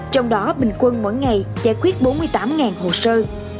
trong đó bình quân mỗi ngày giải quyết bốn mươi tám hồ sơ